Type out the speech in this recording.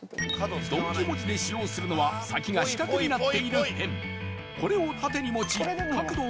ドンキ文字で使用するのは先が四角になっているペン